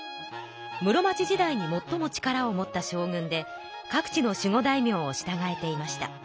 室町時代にもっとも力を持った将軍で各地の守護大名をしたがえていました。